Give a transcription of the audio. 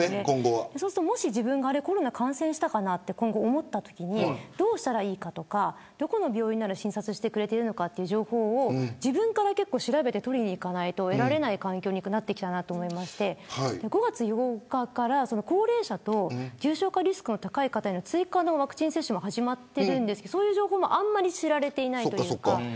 そうすると、もし自分が感染したかなと思ったときどうしたらいいかとかどこの病院なら診察してくれるのかとかそういう情報を自分から調べないと得られない環境になってきたと思って５月８日から高齢者と重症化リスクの高い方に追加のワクチン接種も始まっていますがそういう情報もあんまり知られていない。